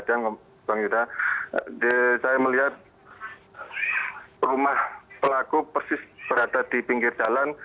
bang ida saya melihat rumah pelaku persis berada di pinggir jalan